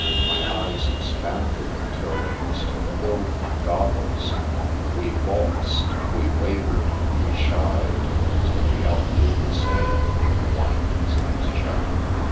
My eyes expanded until they must have filled my gog gles. We waltzed, we wavered, we shied, until we outdid the Seine in the windings of its channel.